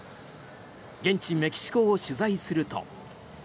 現地メキシコを取材すると。